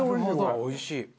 おいしい！